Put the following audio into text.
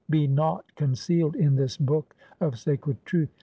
Be naught concealed in this book of sacred truth.